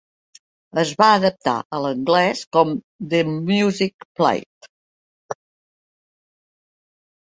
Es va adaptar a l'anglès com "The Music Played".